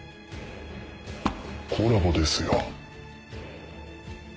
コラボですよ。